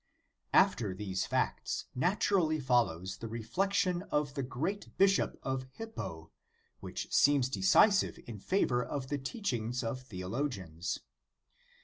"* After these facts naturally follows the re flection of the great Bishop of Hippo, which seems decisive in favor of the teachings of o theologians.